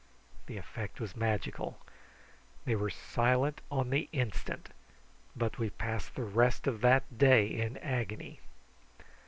The effect was magical. They were silent on the instant, but we passed the rest of that day in agony.